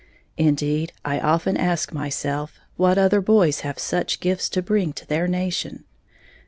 Indeed, I often ask myself, what other boys have such gifts to bring to their nation?